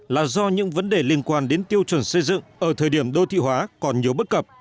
là do những vấn đề liên quan đến tiêu chuẩn xây dựng ở thời điểm đô thị hóa còn nhiều bất cập